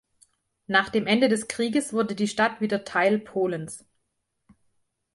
Nach dem Ende des Krieges wurde die Stadt wieder Teil Polens.